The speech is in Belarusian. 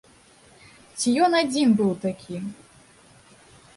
Ці ён адзін быў такі?